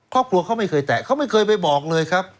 ครอบครัวเขาไม่เคยแตะเขาไม่เคยไปบอกเลยครับ